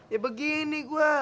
ya begini gua